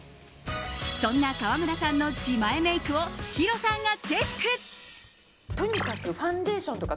そんな川村さんの自前メイクをヒロさんがチェック！